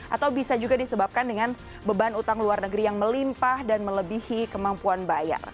atau bisa juga disebabkan dengan beban utang luar negeri yang melimpah dan melebihi kemampuan bayar